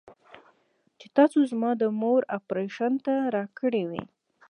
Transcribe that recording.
چې تاسو زما د مور اپرېشن ته راکړې وې.